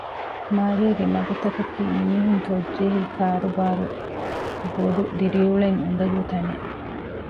މާލޭގެ މަގުތަކަކީ މީހުން ތޮއްޖެހި ކާރުބާރު ބޮޑު ދިރިއުޅެން އުނދަގޫ ތަނެއް